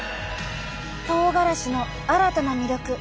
とうがらしの新たな魅力。